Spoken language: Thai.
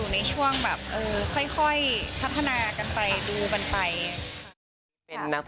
ไม่มั่นใจอะไรขนาดนั้นหรอก